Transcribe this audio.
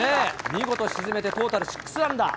見事沈めて、トータル６アンダー。